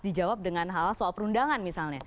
dijawab dengan hal hal soal perundangan misalnya